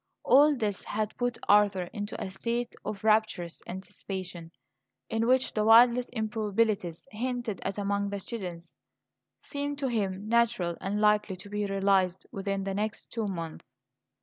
All this had put Arthur into a state of rapturous anticipation, in which the wildest improbabilities hinted at among the students seemed to him natural and likely to be realized within the next two months.